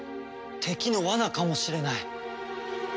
敵の罠かもしれない。